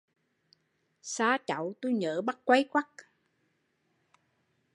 Xa cháu tui nhớ bắt quay